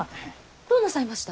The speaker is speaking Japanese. どうなさいました？